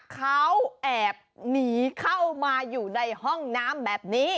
เขาแอบหนีเข้ามาอยู่ในห้องน้ำแบบนี้